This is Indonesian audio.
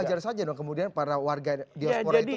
wajar saja dong kemudian para warga diaspora itu